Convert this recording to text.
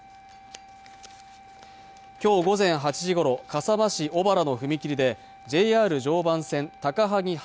今日午前８時ごろ笠間市小原の踏切でＪＲ常磐線高萩発